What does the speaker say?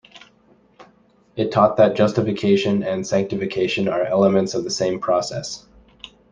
It taught that justification and sanctification are elements of the same process.